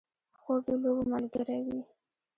خور د لوبو ملګرې وي.